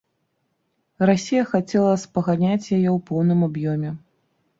Расія хацела спаганяць яе ў поўным аб'ёме.